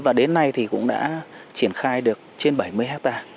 và đến nay thì cũng đã triển khai được trên bảy mươi hectare